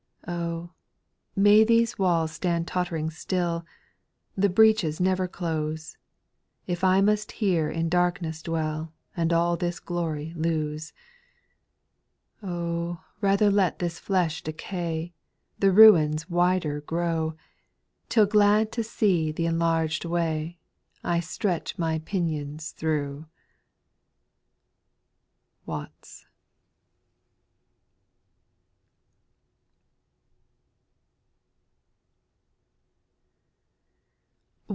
7. Oh ! may these walls stand tottering still, The breaches never close, If I must here in darkness dwell, And all this glory lose. 8. Oh 1 rather let this flesh decay, The ruins wider grow. Till glad to see th' enlarged way, I stretch my pinions through. WATTS.